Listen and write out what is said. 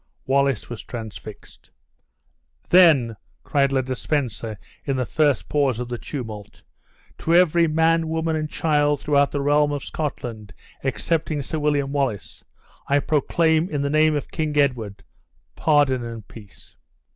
Wallace was transfixed. "Then," cried Le de Spencer in the first pause of the tumult, "to every man, woman, and child throughout the realm of Scotland, excepting Sir William Wallace, I proclaim, in the name of King Edward, pardon and peace."